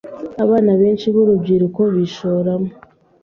abana benshi b’urubyiruko bishoramo